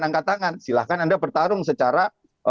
angkat tangan silahkan anda bertarung secara